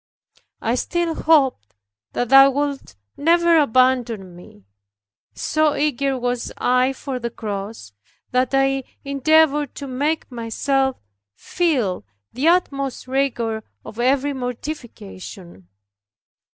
I still hope that thou wilt never abandon me. So eager was I for the cross, that I endeavored to make myself feel the utmost rigor of every mortification.